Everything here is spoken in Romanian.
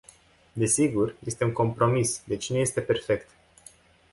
Desigur, este un compromis, deci nu este perfect.